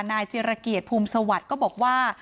นายเจรเกียร์ภูมิสวรรค์ก็บอกว่า